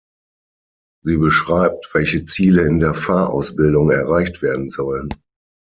Sie beschreibt, welche Ziele in der Fahrausbildung erreicht werden sollen.